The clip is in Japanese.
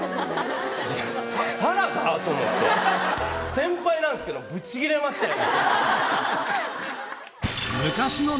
先輩なんですけどブチギレましたよね。